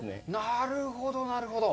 なるほど、なるほど。